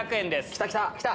きたきたきた。